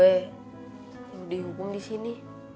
yang dihukum disini